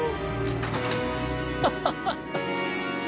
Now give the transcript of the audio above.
ハハハハ。